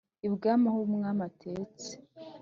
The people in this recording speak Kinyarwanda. ibwami ah’umwami atetse